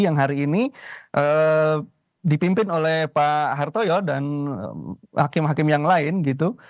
yang hari ini dipimpin oleh pak hartoyo dan hakim hakim yang lain gitu